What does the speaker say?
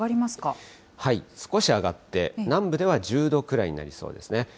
少し上がって、南部では１０度くらいになりそうですね。